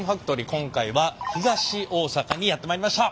今回は東大阪にやって参りました！